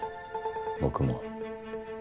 僕も。